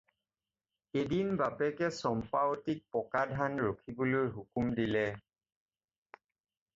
এদিন বাপেকে চম্পাৱতীক পকা ধান ৰখিবলৈ হুকুম দিলে।